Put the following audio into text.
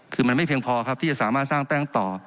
คือมันไม่เพียงพอครับที่จะสามารถสร้างแป้งต่อ